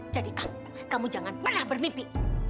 jadi kamu kamu jangan pernah bermimpi